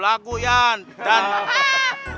lo juga belagu ian